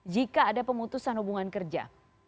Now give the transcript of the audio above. jika ada pemutusan hubungan kerja